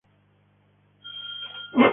Está casado con la actriz Luisa Armenteros.